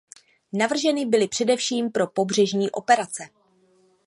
Navrženy byly především pro pobřežní operace.